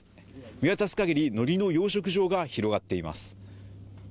見渡すかぎり、のりの養殖場が広がっています。